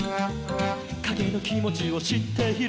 「かげのきもちをしっている」